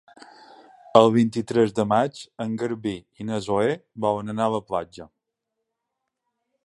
El vint-i-tres de maig en Garbí i na Zoè volen anar a la platja.